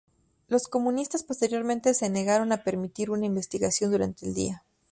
Los comunistas posteriormente se negaron a permitir una investigación durante el día.